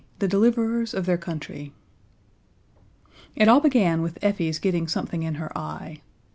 The Deliverers of Their Country It all began with Effie's getting something in her eye.